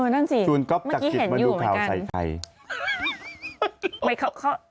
มักกี้เห็นหินะคะ